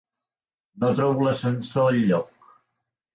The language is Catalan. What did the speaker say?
No trobo l'ascensor enlloc.